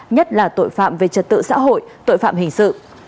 nhất là tội phạm về trật tự xã hội tội phạm hình sự